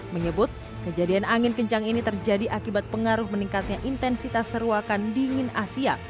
menyebut kejadian angin kencang ini terjadi akibat pengaruh meningkatnya intensitas seruakan dingin asia